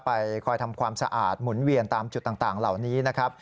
คอยทำความสะอาดหมุนเวียนตามจุดต่างเหล่านี้นะครับ